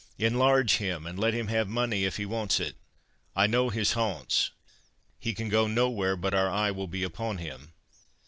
Enlarge him, and let him have money if he wants it. I know his haunts; he can go nowhere but our eye will be upon him.